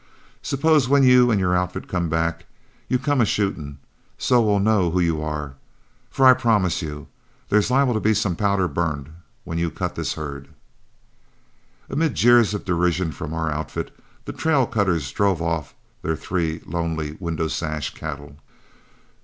Suppose when you and your outfit come back, you come a shooting, so we'll know who you are; for I 'll promise you there's liable to be some powder burnt when you cut this herd." Amid jeers of derision from our outfit, the trail cutters drove off their three lonely "Window Sash" cattle.